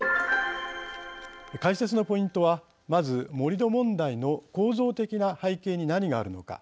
解説のポイントはまず、盛り土問題の構造的な背景に何があるのか。